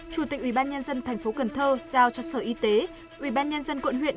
chủ tịch ủy ban nhân dân tp cần thơ giao cho sở y tế ủy ban nhân dân quận huyện